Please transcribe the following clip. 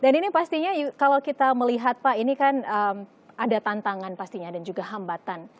dan ini pastinya kalau kita melihat pak ini kan ada tantangan pastinya dan juga hambatan